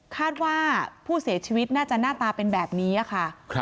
คาดว่าผู้เสียชีวิตน่าจะหน้าตาเป็นแบบนี้ค่ะ